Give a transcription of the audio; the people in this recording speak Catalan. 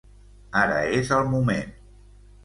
Ara és el moment.